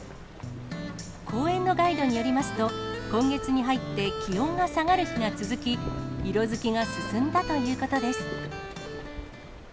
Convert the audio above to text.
公園のガイドによりますと、今月に入って気温が下がる日が続き、色づきが進んだということです。